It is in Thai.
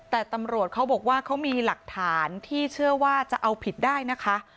แต่ตำรวจเขาบอกว่าเขามีหลักฐานที่เชื่อว่าจะเอาผิดได้นะคะ